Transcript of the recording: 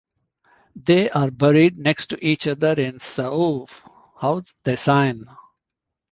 They are buried next to each other in Sceaux, Hauts-de-Seine.